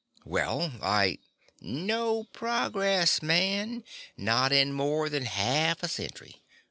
"Well, I " "No progress, man, not in more than half a century.